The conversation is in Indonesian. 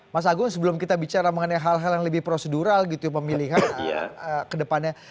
mas agung sebelum kita bicara mengenai hal hal yang lebih prosedural gitu ya pemilihan ke depannya